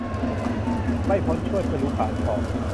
ไม่พ้นชวด ฉลู ขาล เถาะ